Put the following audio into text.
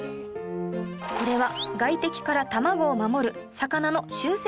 これは外敵から卵を守る魚の習性なんですよ